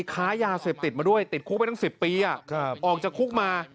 ใช่ใช่ออกจากคลุกไปทั้ง๑๐ปีออกจากคลุกมา